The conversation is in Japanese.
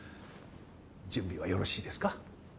準備はよろしいですか？